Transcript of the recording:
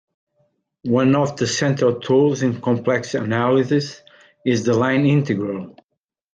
One of the central tools in complex analysis is the line integral.